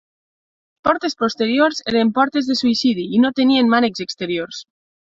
Les portes posteriors eren portes de suïcidi i no tenien mànecs exteriors.